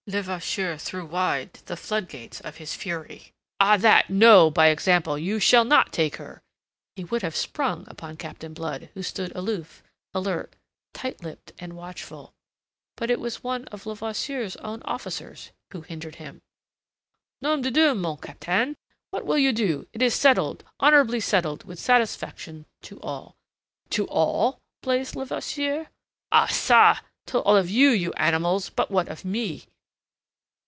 Levasseur threw wide the floodgates of his fury. "Ah, that, no, by example! You shall not take her...." He would have sprung upon Captain Blood, who stood aloof, alert, tight lipped, and watchful. But it was one of Levasseur's own officers who hindered him. "Nom de Dieu, my Captain! What will you do? It is settled; honourably settled with satisfaction to all." "To all?" blazed Levasseur. "Ah ca! To all of you, you animals! But what of me?"